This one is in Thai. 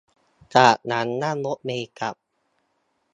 จากนั้นนั่งรถเมล์กลับ